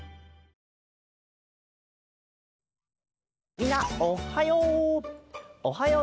みんなおっはよう！